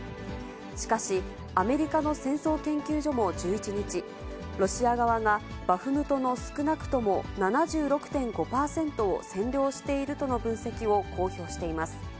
しかし、アメリカの戦争研究所も１１日、ロシア側がバフムトの少なくとも７６．５％を占領しているとの分析を公表しています。